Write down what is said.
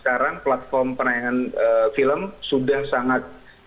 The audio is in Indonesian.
karena platform penayangan film sudah sangat luas